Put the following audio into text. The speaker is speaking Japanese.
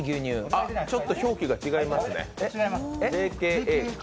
あ、ちょっと表記が違いますね。